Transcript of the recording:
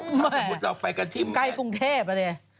ถ้าสมมุติเราไปกันที่ใกล้กรุงเทพอ่ะดิ